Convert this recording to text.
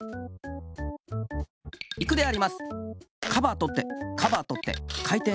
いくであります。